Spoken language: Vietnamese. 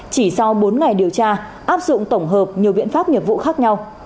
chỉ sau bốn ngày điều tra áp dụng tổng hợp nhiều biện pháp nghiệp vụ khác nhau